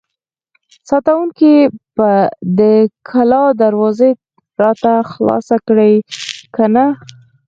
ساتونکي به د کلا دروازه راته خلاصه کړي که نه!